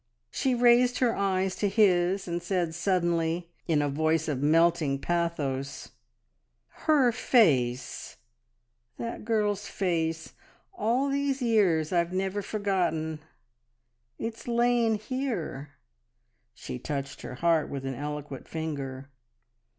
She raised her eyes to his, and said suddenly, in a voice of melting pathos: "Her face! ... That girl's face! All these years I've never forgotten. ... It's lain here!" She touched her heart with an eloquent finger.